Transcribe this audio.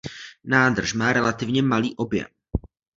Nádrž má relativně malý objem.